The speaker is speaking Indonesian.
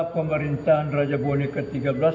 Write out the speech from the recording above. terdapat empat buah tiang yang berdiri